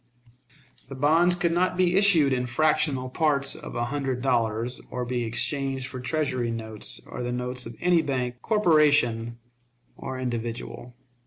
The bonds could not be issued in fractional parts of a hundred dollars, or be exchanged for Treasury notes or the notes of any bank, corporation, or individual.